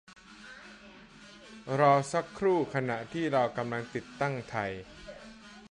รอสักครู่ขณะที่เรากำลังติดตั้งไทย